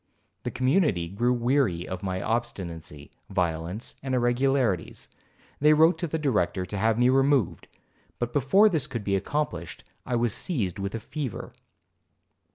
The community grew weary of my obstinacy, violence, and irregularities. They wrote to the Director to have me removed, but before this could be accomplished I was seized with a fever.